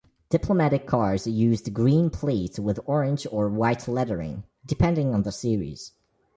Diplomatic cars used green plates with orange or white lettering, depending on the series.